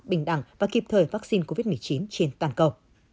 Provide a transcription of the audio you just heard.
bình đẳng và kịp thời vaccine covid một mươi chín trên toàn cầu